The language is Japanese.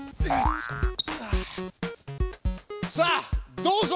さあどうぞ！